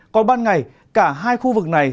còn ban ngày cả hai khu vực này